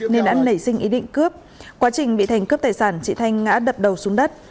nên đã nảy sinh ý định cướp quá trình bị thành cướp tài sản chị thanh ngã đập đầu xuống đất